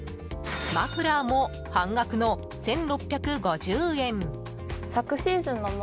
マフラーも半額の１６５０円。